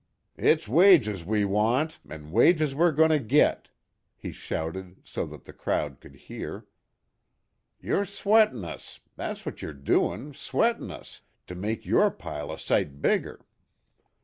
"It's wages we want an' wages we're goin' to git!" he shouted so that the crowd could hear. "You're sweatin' us. That's wot you're doin', sweatin' us, to make your pile a sight bigger.